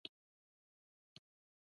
موږ باید له سکرین هاخوا وګورو.